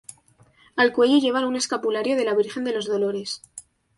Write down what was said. Al cuello llevan un escapulario de la Virgen de los Dolores.